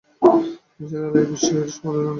নিসার আলির বিশ্বয়ের সীমা রইল না।